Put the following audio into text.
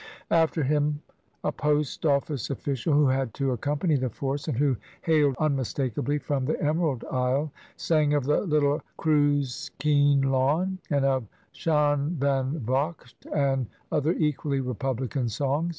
After him a Post Office official, who had to accompany the force, and who hailed unmistakably from the Emerald Isle, sang of the little '' Cruiskeen Lawn" and of " Shan Van Vocht, " and other equally RepubUcan songs.